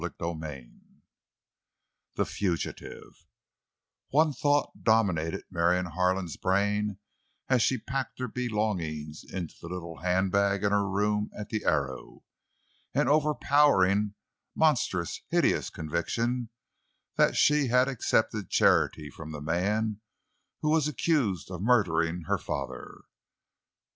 CHAPTER XXVIII—THE FUGITIVE One thought dominated Marion Harlan's brain as she packed her belongings into the little handbag in her room at the Arrow—an overpowering, monstrous, hideous conviction that she had accepted charity from the man who was accused of murdering her father!